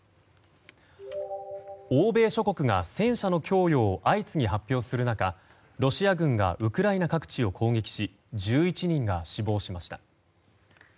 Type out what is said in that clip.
欧米諸国が戦車の供与を相次ぎ発表する中ロシア軍がウクライナ各地を攻撃し１１人が死亡しました。